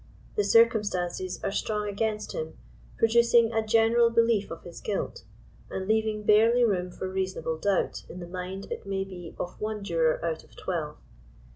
The circumstances are strong against him, producing a general be lief of his gailt»and leaving barely room for a reasonable doubt in the mind it may be of one juror out of twelve.